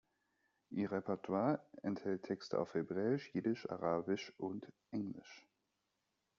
Ihr Repertoire enthält Texte auf hebräisch, jiddisch, arabisch und englisch.